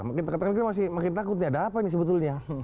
makin takut nih ada apa ini sebetulnya